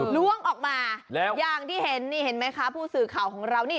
ล่วงออกมาแล้วอย่างที่เห็นนี่เห็นไหมคะผู้สื่อข่าวของเรานี่